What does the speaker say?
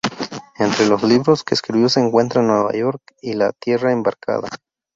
Entre los libros que escribió se cuentan "Nueva York" y "La tierra embarcada".